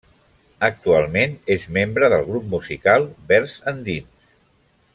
Actualment és membre del grup musical Vers endins.